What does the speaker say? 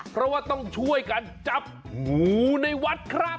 เพราะว่าต้องช่วยกันจับงูในวัดครับ